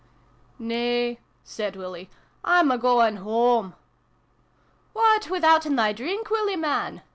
Nay," said Willie. " I'm agoan whoam." " What, withouten thy drink, Willie man